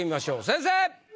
先生！